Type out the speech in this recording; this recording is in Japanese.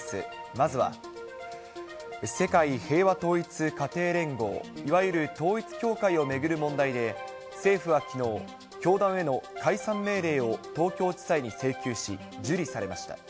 まずは、世界平和統一家庭連合、いわゆる統一教会を巡る問題で、政府はきのう、教団への解散命令を東京地裁に請求し、受理されました。